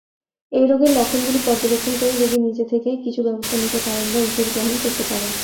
এই রোগের লক্ষণগুলি পর্যবেক্ষণ করে রোগী নিজে থেকেই কিছু ব্যবস্থা নিতে পারেন বা ঔষধ গ্রহণ করতে পারেন।